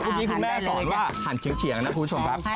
พรุ่งนี้คุณแม่สอนว่าหันเฉียงนะครับคุณผู้ชมครับ